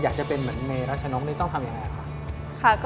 อยากจะเป็นเหมือนเมย์รัชนกนี่ต้องทำอย่างไร